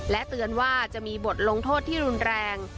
เตือนว่าจะมีบทลงโทษที่รุนแรง